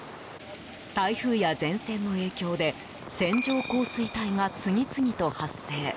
台風や前線の影響で線状降水帯が次々と発生。